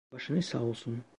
Başınız sağolsun.